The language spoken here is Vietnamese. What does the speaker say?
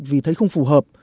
vì thấy không phù hợp